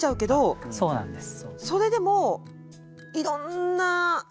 そうなんです。